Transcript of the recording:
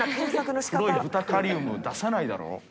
黒い豚カリウム出さないだろ。